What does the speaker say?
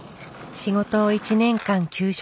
仕事を１年間休職。